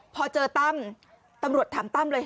พอเจอตั้มตำรวจถามตั้มเลย